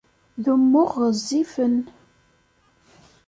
D umuɣ ɣezzifen.